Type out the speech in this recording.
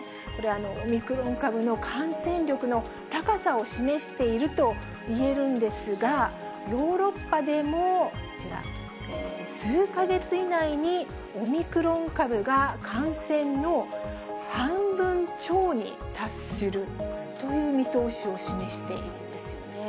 オミクロン株の感染力の高さを示しているといえるんですが、ヨーロッパでもこちら、数か月以内にオミクロン株が感染の半分超に達するという見通しを示しているんですよね。